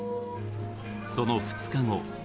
その２日後。